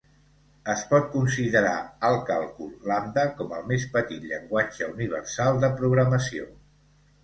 Es pot considerar al càlcul lambda com el més petit llenguatge universal de programació.